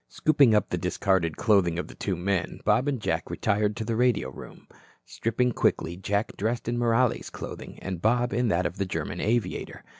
Scooping up the discarded clothing of the two men, Bob and Jack retired to the radio room. Stripping quickly, Jack dressed in Morales' clothing and Bob in that of the German aviator.